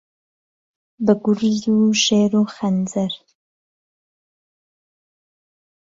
به گورز و شێر و خهنجەر